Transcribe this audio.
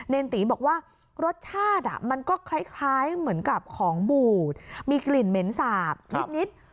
ตีบอกว่ารสชาติมันก็คล้ายเหมือนกับของบูดมีกลิ่นเหม็นสาบนิด